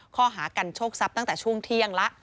ข้อหากันโชคทรัพย์ตั้งแต่ช่วงเที่ยงแล้ว